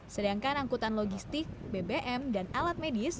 sedangkan angkutan logistik bbm dan alat medis